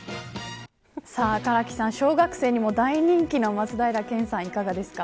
唐木さん、小学生にも大人気の松平健さん、いかがですか。